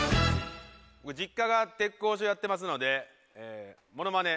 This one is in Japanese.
僕実家が鉄工所やってますのでモノマネ